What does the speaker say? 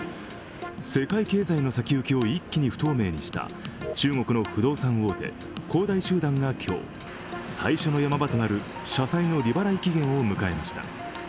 世界経済の先行きを一気に不透明にした中国の不動産大手、恒大集団が今日最初のヤマ場となる社債の利払い期限を迎えました。